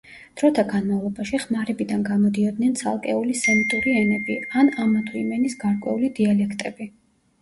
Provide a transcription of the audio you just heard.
დროთა განმავლობაში ხმარებიდან გამოდიოდნენ ცალკეული სემიტური ენები, ან ამა თუ იმ ენის გარკვეული დიალექტები.